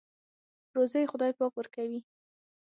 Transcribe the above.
روزۍ خدای پاک ورکوي.